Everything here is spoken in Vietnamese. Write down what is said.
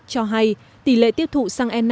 cho hay tỷ lệ tiếp thụ xăng e năm